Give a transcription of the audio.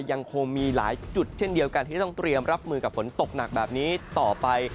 ยังคงมีหลายจุดเช่นเดียวกันที่ต้องเตรียมรับมือกับฝนตกหนักแบบนี้ต่อไป